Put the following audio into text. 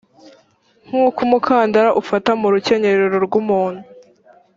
nk uko umukandara ufata mu rukenyerero rw umuntu